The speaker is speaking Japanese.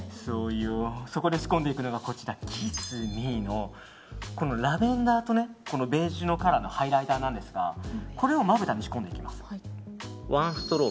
そこで仕込んでいくのがキスミーのラベンダーとベージュのカラーのハイライターなんですがこれをまぶたに仕込んでいきます。